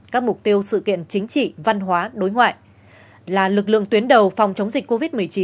các mục tiêu sự kiện chính trị văn hóa đối ngoại là lực lượng tuyến đầu phòng chống dịch covid một mươi chín